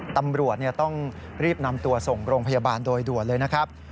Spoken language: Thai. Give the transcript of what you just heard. ตำรวจต้องรีบนำตัวส่งโรงพยาบาลโดยด่วนเลยนะครับ